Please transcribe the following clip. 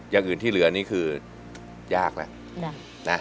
อย่างอื่นที่เหลือนี่คือยากแล้วนะ